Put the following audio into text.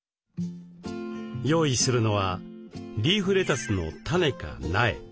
用意するのはリーフレタスのタネか苗。